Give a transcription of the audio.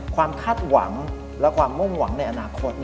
คาดหวังและความมุ่งหวังในอนาคต